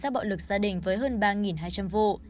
bộ lực gia đình với hơn ba hai trăm linh vụ